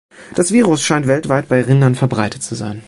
Das Virus scheint weltweit bei Rindern verbreitet zu sein.